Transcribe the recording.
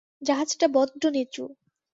জাহাজটা বড্ড নিচু।